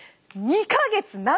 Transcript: ２か月長！